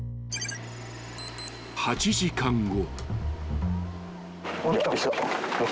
［８時間後］